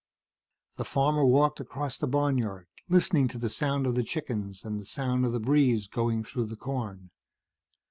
The farmer walked across the barnyard, listening to the sound of the chickens and the sound of the breeze going through the corn.